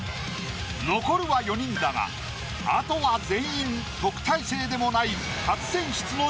残るは４人だがあとは全員特待生でもない。